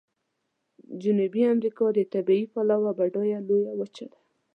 جنوبي امریکا د طبیعي پلوه بډایه لویه وچه ده.